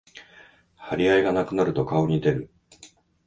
張り合いがなくなると顔に出る